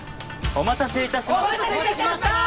お待たせいたしました！